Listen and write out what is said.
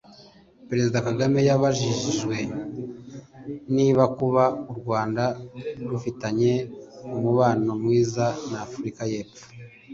Perezida Kagame yabajijwe niba kuba u Rwanda rufitanye umubano mwiza na Afurika y’Epfo